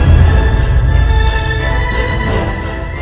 sebaik selang unto